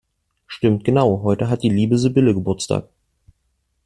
Stimmt genau, heute hat die liebe Sibylle Geburtstag!